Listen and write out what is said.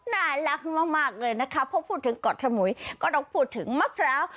น่ารักมากเลยนะคะเพราะพูดถึงเกาะสมุยก็ต้องพูดถึงมะพร้าว